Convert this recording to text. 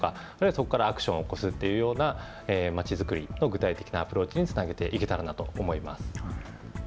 そこからアクションを起こすというようなまちづくり、具体的なアプローチにつなげていけたらなと思います。